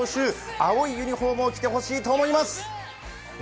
青いユニフォームを着ていただきたいと思います。